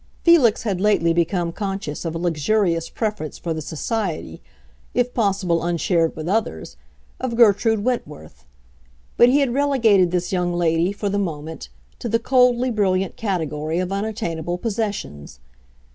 Felix had lately become conscious of a luxurious preference for the society—if possible unshared with others—of Gertrude Wentworth; but he had relegated this young lady, for the moment, to the coldly brilliant category of unattainable possessions.